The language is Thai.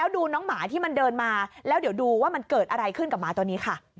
ดูน้องหมาที่มันเดินมาดูว่ามันเกิดอะไรขึ้นกับหมาตอนนี้ค่ะ